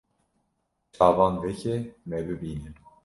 Çavan veke me bibîne